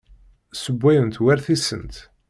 Ssewwayent war tisent.